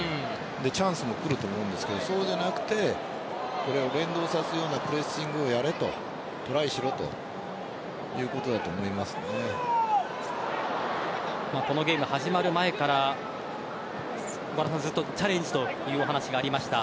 チャンスも来ると思うんですがそうじゃなくてこれを連動させるようなプレッシングをやれとトライしろということだとこのゲームが始まる前から岡田さんはずっとチャレンジというお話がありました。